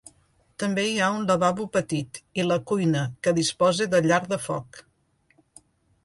També hi ha un lavabo petit, i la cuina que disposa de llar de foc.